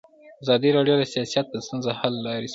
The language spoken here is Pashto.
ازادي راډیو د سیاست د ستونزو حل لارې سپارښتنې کړي.